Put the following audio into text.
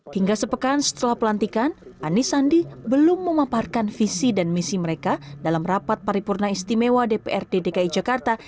hingga sepekan setelah pelantikan anis sandi belum memaparkan visi dan misi mereka dalam rapat paripurna istimewa dprd dki jakarta